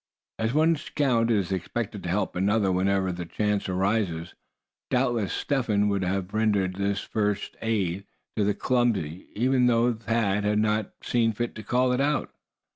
As one scout is expected to help another whenever the chance arises, doubtless Step Hen would have rendered this "first aid to the clumsy" even though Thad had not seen fit to call out.